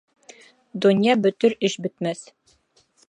Донъя бөтөр, эш бөтмәҫ.